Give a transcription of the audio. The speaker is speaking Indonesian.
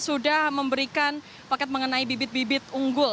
sudah memberikan paket mengenai bibit bibit unggul